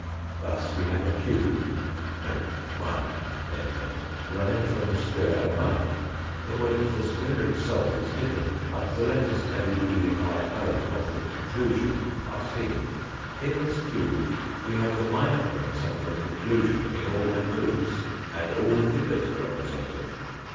Thus we have a cube (1) running from the square above, in which the square itself is hidden, but the letters A, E, I, o, of the conclusion are seen. In this cube we have the minor premiss and the conclusion in all their moods, and all the figures represented.